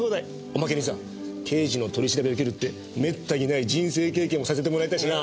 おまけにさ刑事の取り調べ受けるってめったにない人生経験もさせてもらえたしな。